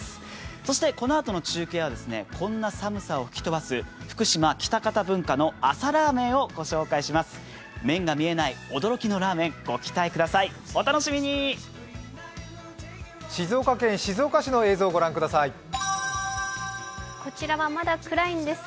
そしてこのあとの中継はこんな寒さを吹き飛ばす福島・喜多方文化の朝ラーメンをご紹介します。